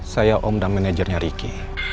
saya om dan managernya riki